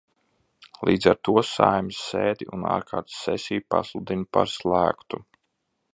Līdz ar to Saeimas sēdi un ārkārtas sesiju pasludinu par slēgtu.